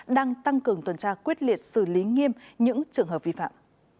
đang tăng cường tuần tra quyết liệt xử lý nghiêm những trường hợp vi phạm